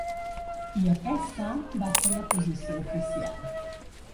I aquesta va ser la posició oficial.